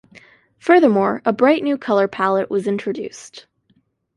Furthermore, a bright new colour palette was introduced.